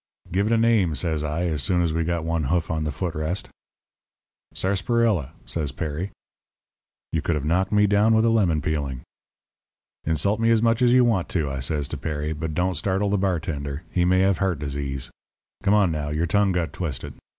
"'Give it a name,' says I, as soon as we got one hoof on the foot rest. "'Sarsaparilla,' says Perry. "You could have knocked me down with a lemon peeling. "'Insult me as much as you want to,' I says to Perry, 'but don't startle the bartender. He may have heart disease. Come on, now; your tongue got twisted.